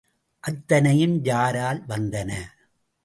அத்தனையும் யாரால் வந்தன?